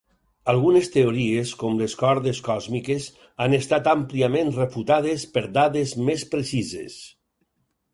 Algunes teories, com les cordes còsmiques, han estat àmpliament refutades per dades més precises.